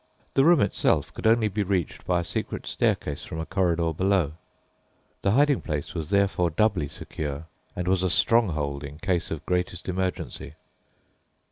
The room itself could only be reached by a secret staircase from a corridor below. The hiding place was therefore doubly secure, and was a stronghold in case of greatest emergency.